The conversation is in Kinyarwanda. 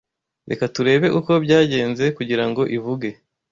Reka turebe uko byagenze kugirango ivuge